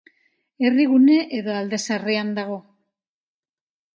Herrigune edo Alde Zaharrean dago.